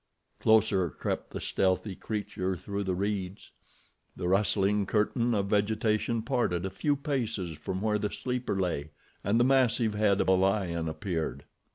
Closer crept the stealthy creature through the reeds. The rustling curtain of vegetation parted a few paces from where the sleeper lay, and the massive head of a lion appeared.